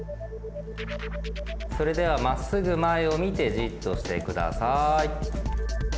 それではまっすぐ前を見てじっとしてください。